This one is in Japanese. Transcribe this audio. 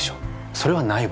それはないわ